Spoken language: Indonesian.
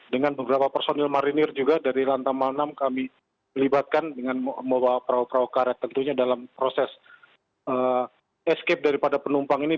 dengan beberapa personil marinir juga dari lantai mal enam kami melibatkan dengan membawa perahu perahu karet tentunya dalam proses escape daripada penumpang ini